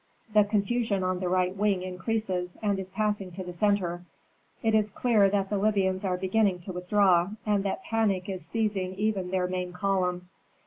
The confusion on the right wing increases, and is passing to the centre. It is clear that the Libyans are beginning to withdraw, and that panic is seizing even their main column.